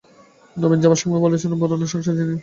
নবীন যাবার সময় বললে, বউরানী, সংসারে সব জিনিসেরই অবসান আছে।